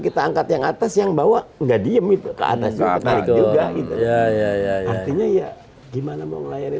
kita angkat yang atas yang bawa nggak diem itu ke atas tarik juga gitu ya artinya ya gimana mau layarin